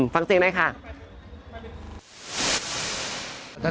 ฟังเสียงได้ค่ะ